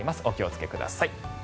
お気をつけください。